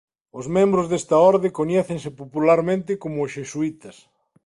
Os membros desta orde coñécense popularmente como os xesuítas.